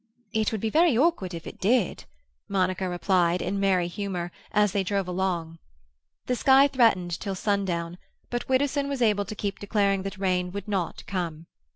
"It would be very awkward if it did," Monica replied, in merry humour, as they drove along. The sky threatened till sundown, but Widdowson was able to keep declaring that rain would not come.